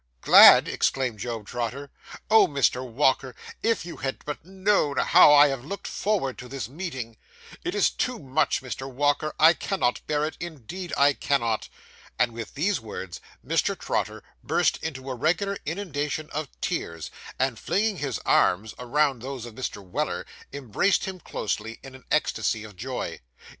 'Glad!' exclaimed Job Trotter; 'Oh, Mr. Walker, if you had but known how I have looked forward to this meeting! It is too much, Mr. Walker; I cannot bear it, indeed I cannot.' And with these words, Mr. Trotter burst into a regular inundation of tears, and, flinging his arms around those of Mr. Weller, embraced him closely, in an ecstasy of joy.